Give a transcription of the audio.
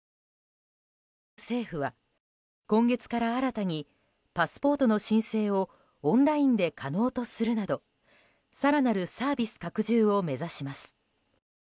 政府は今月から新たにパスポートの申請をオンラインで可能とするなど更なるサービス拡充を目指します。